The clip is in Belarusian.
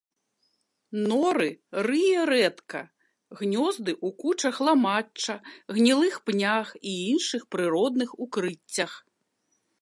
Норы рые рэдка, гнёзды ў кучах ламачча, гнілых пнях і іншых прыродных укрыццях.